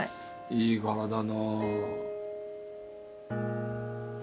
いい柄だな。